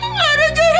nggak ada cara lain mas